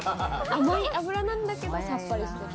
甘い脂なんだけどサッパリしてる。